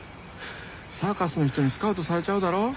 サーカスの人にスカウトされちゃうだろ。